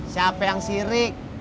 siapa yang sirik